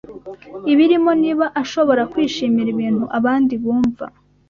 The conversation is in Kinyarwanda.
Ibirimo niba ashobora kwishimira Ibintu abandi bumva